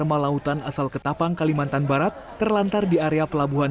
agar bisa segera melanjutkan perjalanan ke kota asal